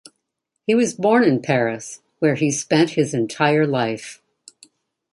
He was born in Paris, where he spent his entire life.